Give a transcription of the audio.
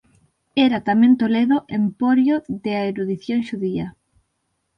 Era tamén Toledo emporio de a erudición xudía.